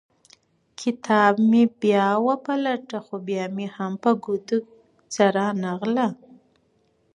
کتاب مې بیا وپلټه خو بیا مې هم ګوتو ته څه رانه غلل.